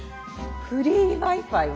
フリーＷｉＦｉは？